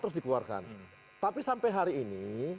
terus dikeluarkan tapi sampai hari ini